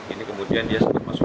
ini kemudian dia sudah masuk